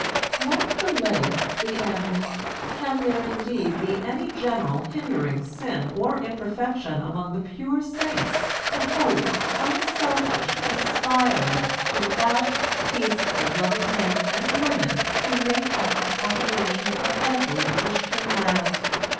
What delayeth the end? Can there indeed be any general hindering sin or imperfection among the pure saints, the holy, unselfish, aspiring, devout, peaceful, loving men and women who make up the population of every Christian land?